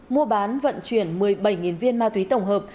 mua bán vận chuyển một mươi bảy viên ma túy tổng hợp